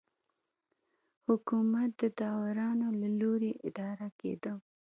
حکومت د داورانو له لوري اداره کېده.